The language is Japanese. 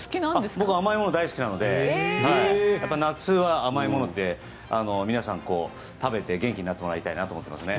僕は甘いもの大好きなので夏は甘いもので皆さん、食べて元気になってもらいたいなと思っていますね。